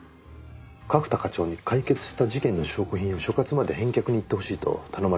角田課長に解決した事件の証拠品を所轄まで返却に行ってほしいと頼まれましてね。